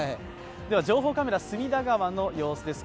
情報カメラ、隅田川の様子です。